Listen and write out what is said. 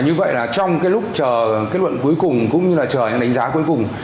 như vậy là trong cái lúc chờ kết luận cuối cùng cũng như là chờ những đánh giá cuối cùng